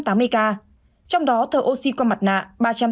trong đó thở oxy qua mặt nạ ba trăm tám mươi ca